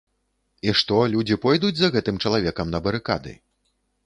І што, людзі пойдуць за гэтым чалавекам на барыкады?